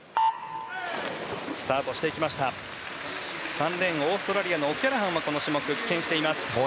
３レーン、オーストラリアのオキャラハンはこの種目、棄権しています。